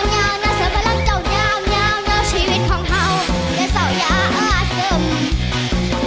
เงียวน่าเศร้าอย่างเจ้าเงียวน่าชีวิตของเขาน่าเศร้าอย่างอาศิลป์